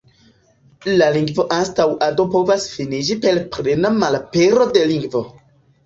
La lingvo-anstaŭado povas finiĝi per plena malapero de lingvo.